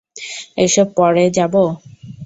এসব পরে যাব?